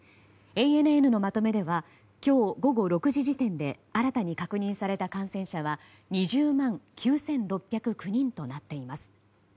ＡＮＮのまとめでは今日午後６時時点で新たに確認された感染者は２０万９６０９人となっています。